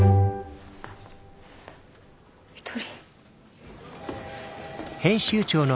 一人。